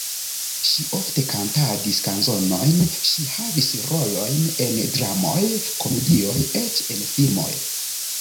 Ŝi ofte kantadis kanzonojn, ŝi havis rolojn en dramoj, komedioj, eĉ en filmoj.